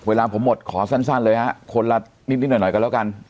เวลาผมหมดขอสั้นเลยฮะคนละนิดหน่อยกันแล้วกัน